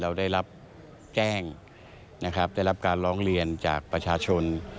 เราได้รับแจ้งนะครับได้รับการร้องเรียนจากประชาชน